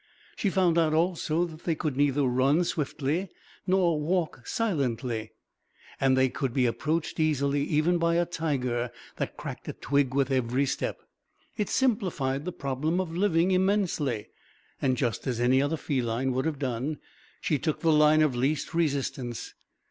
She found out also that they could neither run swiftly nor walk silently, and they could be approached easily even by a tiger that cracked a twig with every step. It simplified the problem of living immensely; and just as any other feline would have done, she took the line of least resistance.